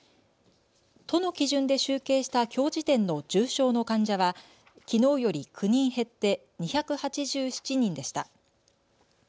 都の基準で集計したきょう時点の重症の患者は、きのうより９人減って２８７人でした。